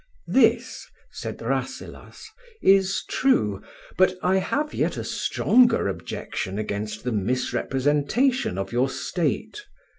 "This," said Rasselas, "is true; but I have yet a stronger objection against the misrepresentation of your state.